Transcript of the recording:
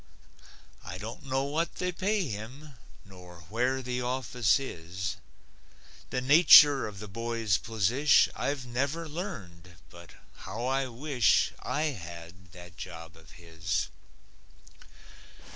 I don't know what they pay him, Nor where the office is. The nature of the boy's posish I've never learned but how I wish I had that job of his!